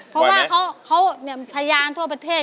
เพราะว่าเขาพยานทั่วประเทศ